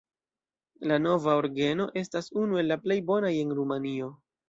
La nova orgeno estas unu el la plej bonaj en Rumanio.